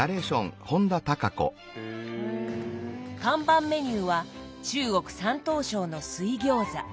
看板メニューは中国山東省の水餃子。